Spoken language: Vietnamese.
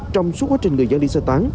trong suốt quá trình người dân đi sơ tán